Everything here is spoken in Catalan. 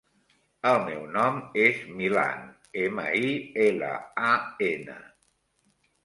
El meu nom és Milan: ema, i, ela, a, ena.